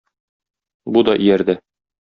Бу да иярде.